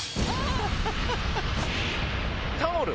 タオル。